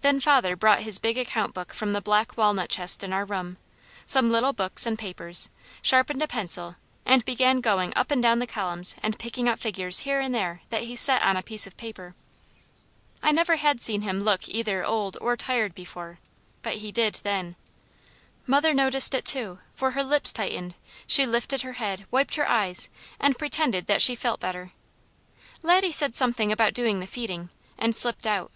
Then father brought his big account book from the black walnut chest in our room, some little books, and papers, sharpened a pencil and began going up and down the columns and picking out figures here and there that he set on a piece of paper. I never had seen him look either old or tired before; but he did then. Mother noticed it too, for her lips tightened, she lifted her head, wiped her eyes, and pretended that she felt better. Laddie said something about doing the feeding, and slipped out.